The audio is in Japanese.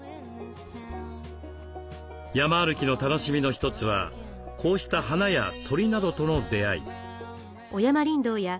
山歩きの楽しみの一つはこうした花や鳥などとの出会い。